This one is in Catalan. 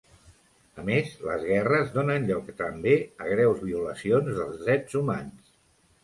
A més, les guerres donen lloc també a greus violacions dels drets humans.